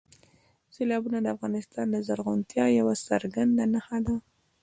سیلابونه د افغانستان د زرغونتیا یوه څرګنده نښه ده.